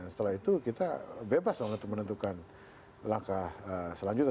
setelah itu kita bebas untuk menentukan langkah selanjutnya